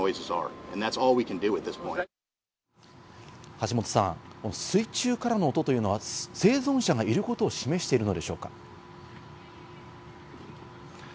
橋本さん、水中からの音というのは生存者がいることを示しているのでしょうか？